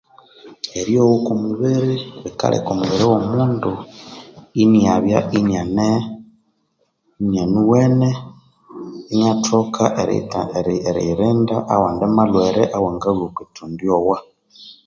Eryogha oku mubiri likaleka omubiri ghomundu inyabya inyanee inyanuwene inyathoka eriyittaa eriyirinda awandi malhwere awanglhwa okwithendi ogha